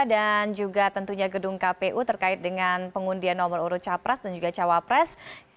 dan juga tentunya gedung kpu terkait dengan pengundian nomor urut capras dan juga cawapres